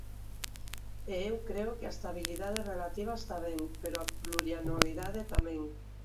E eu creo que a estabilidade relativa está ben, pero a plurianualidade tamén.